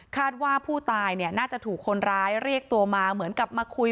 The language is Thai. ว่าผู้ตายเนี่ยน่าจะถูกคนร้ายเรียกตัวมาเหมือนกับมาคุย